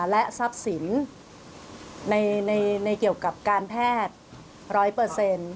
และทรัพย์สินในเกี่ยวกับการแพทย์ร้อยเปอร์เซ็นต์